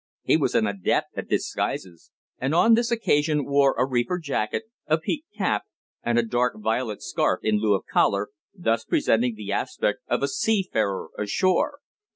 He was an adept at disguises, and on this occasion wore a reefer jacket, a peaked cap, and a dark violet scarf in lieu of collar, thus presenting the aspect of a seafarer ashore.